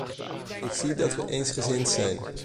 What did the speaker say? Ik zie dat we eensgezind zijn.